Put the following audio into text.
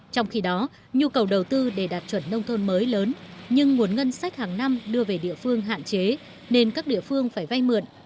trong khi đó nhu cầu đầu tư để đạt chuẩn nông thôn mới lớn nhưng nguồn ngân sách hàng năm đưa về địa phương hạn chế nên các địa phương phải vay mượn